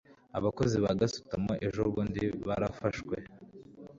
abakozi ba gasutamo ejo bundi barafashwe